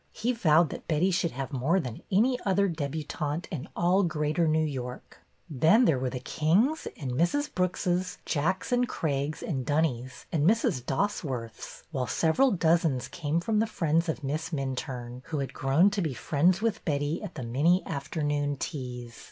He vowed that Betty should have more than any other debutante in all Greater New York. Then there were the Kings' and Mrs. Brooks's, Jack's and Craig's and Dunny's and Mrs. Dosworth's, while several dozens came from the friends of Miss Minturne, who had grown to be friends with Betty at the many afternoon teas.